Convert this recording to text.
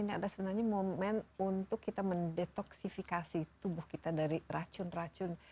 ini ada sebenarnya momen untuk kita mendetoksifikasi tubuh kita dari racun racun